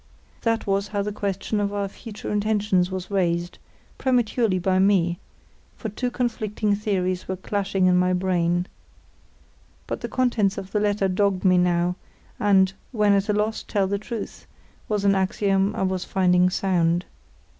That was how the question of our future intentions was raised, prematurely by me; for two conflicting theories were clashing in my brain. But the contents of the letter dogged me now, and "when at a loss, tell the truth", was an axiom I was finding sound.